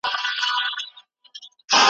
په لار کي به دي پلونه د رقیب خامخا نه وي ,